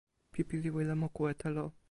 pipi li wile moku e telo.